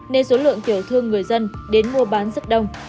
nên số lượng tiểu thương người dân đến mua bán rất đông